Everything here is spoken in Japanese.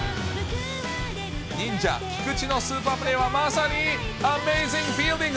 忍者、菊池のスーパープレーは、まさにアメージングフィールディング。